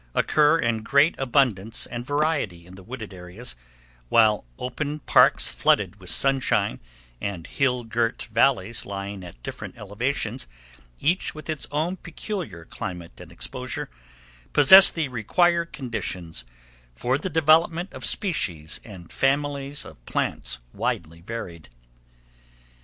occur in great abundance and variety in the wooded regions, while open parks, flooded with sunshine, and hill girt valleys lying at different elevations, each with its own peculiar climate and exposure, possess the required conditions for the development of species and families of plants widely varied.